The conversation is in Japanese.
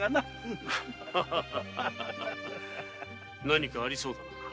何かありそうだな？